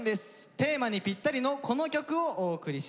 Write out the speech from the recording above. テーマにぴったりのこの曲をお送りします。